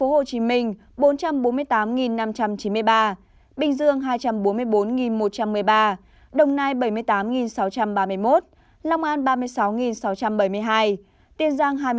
hồ chí minh bốn trăm bốn mươi tám năm trăm chín mươi ba bình dương hai trăm bốn mươi bốn một trăm một mươi ba đồng nai bảy mươi tám sáu trăm ba mươi một lòng an ba mươi sáu sáu trăm bảy mươi hai tiền giang hai mươi một hai trăm tám mươi